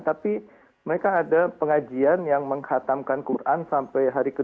tapi mereka ada pengajian yang menghatamkan quran sampai hari ke dua